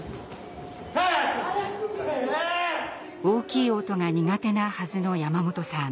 大きい音が苦手なはずの山本さん。